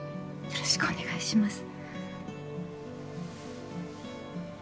よろしくお願いします